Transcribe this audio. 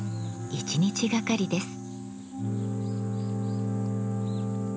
一日がかりです。